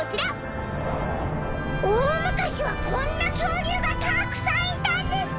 おおむかしはこんなきょうりゅうがたくさんいたんですか！